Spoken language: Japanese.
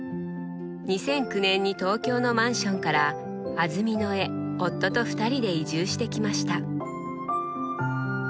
２００９年に東京のマンションから安曇野へ夫と２人で移住してきました。